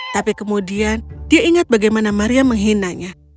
tapi kemudian dia ingat bagaimana maria menghinanya